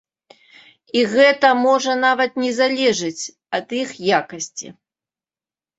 І гэта можа нават не залежыць ад іх якасці.